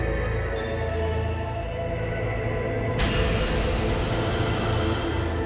namun sepotong sepeton orangnya pun cuma ngomong sama sepertiga sisi helen've